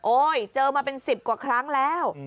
เจอมาเป็น๑๐กว่าครั้งแล้ว